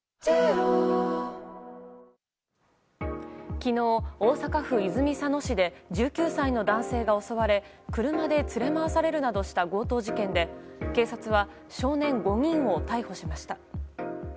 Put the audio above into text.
昨日、大阪府泉佐野市で１９歳の男性が襲われ車で連れ回されるなどした強盗事件で、警察は少年５人を逮捕しました。